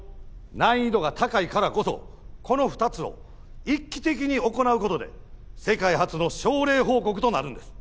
難易度が高いからこそこの２つを一期的に行う事で世界初の症例報告となるんです。